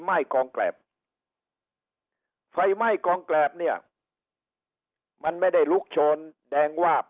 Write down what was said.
ไหม้กองแกรบไฟไหม้กองแกรบเนี่ยมันไม่ได้ลุกโชนแดงวาบ